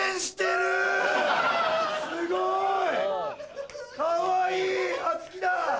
すごい！かわいい月だ！